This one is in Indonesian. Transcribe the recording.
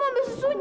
jadi ini anaknya